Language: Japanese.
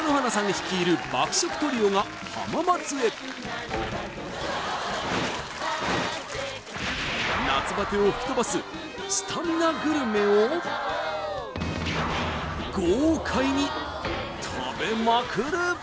率いる爆食トリオが浜松へ夏バテを吹き飛ばすスタミナグルメを食べまくる！